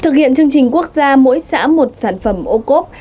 thực hiện chương trình quốc gia mỗi xã một sản phẩm ô cốp